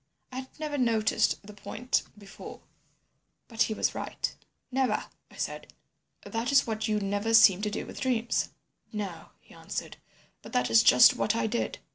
I had never noticed the point before, but he was right. "Never," I said. "That is what you never seem to do with dreams." "No," he answered. "But that is just what I did.